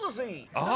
ああ！